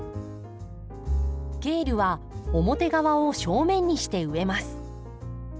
ケールは表側を正面にして植えます。